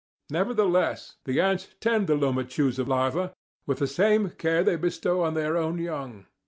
Nevertheless, the ants tend the Lomechusa larvae with the same care they bestow on their own young.